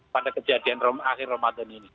pada kejadian akhir ramadan ini